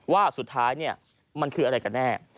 ว่าสุดท้ายมันคืออะไรกันแน่